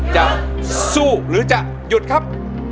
จะสู้หรือจะหยุดครับ